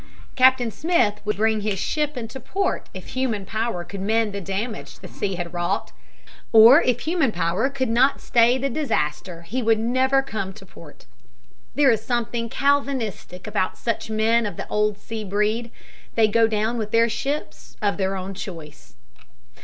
Captain Smith would bring his ship into port if human power could mend the damage the sea had wrought, or if human power could not stay the disaster he would never come to port. There is something Calvinistic about such men of the old sea breed. They go down with their ships, of their own choice.